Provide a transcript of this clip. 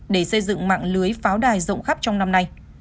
để xây dựng mạng lưới pháo đài rộng khắp trong năm nay